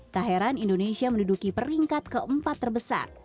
tak heran indonesia menduduki peringkat keempat terbesar